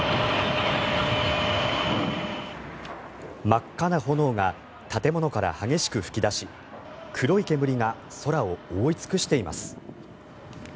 真っ赤な炎が建物から激しく噴き出し黒い煙が空を覆い尽くしています。